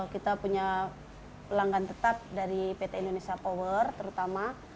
kita punya pelanggan tetap dari pt indonesia power terutama